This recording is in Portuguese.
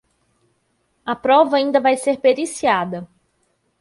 A prova ainda vai ser periciada.